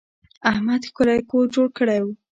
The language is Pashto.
احمد ښکلی کور جوړ کړی.